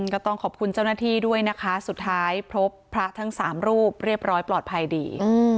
ก็ต้องขอบคุณเจ้าหน้าที่ด้วยนะคะสุดท้ายพบพระทั้ง๓รูปเรียบร้อยปลอดภัยดี